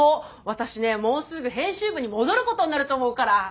私ねもうすぐ編集部に戻ることになると思うから。